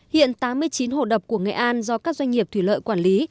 hiện tám mươi chín hồ đập của nghệ an do các doanh nghiệp thủy lợi quản lý